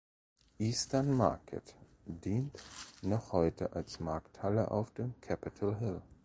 Eastern Market dient noch heute als Markthalle auf dem Capitol Hill.